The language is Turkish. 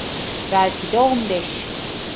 Belki de on beş.